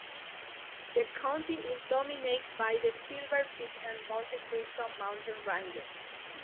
The county is dominated by the Silver Peak and Monte Cristo mountain ranges.